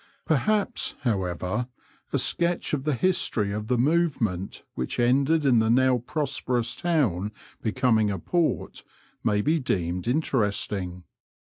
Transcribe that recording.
Perhaps, however, a sketch of the history of the movement which ended in the now prosperous town becoming a port may be deemed interesting.